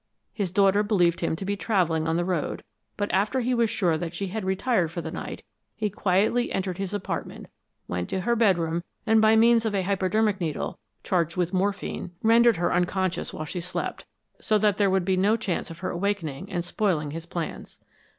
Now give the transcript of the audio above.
His daughter believed him to be traveling on the road, but after he was sure that she had retired for the night, he quietly entered his apartment, went to her bedroom, and by means of a hypodermic needle, charged with morphine, rendered her unconscious while she slept, so that there would be no chance of her awakening and spoiling his plans.